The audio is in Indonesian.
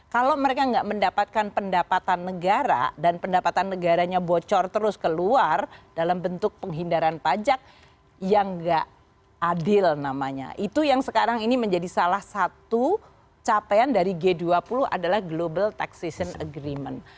kalau mereka nggak mendapatkan pendapatan negara dan pendapatan negaranya bocor terus keluar dalam bentuk penghindaran pajak yang nggak adil namanya itu yang sekarang ini menjadi salah satu capaian dari g dua puluh adalah global taxation agreement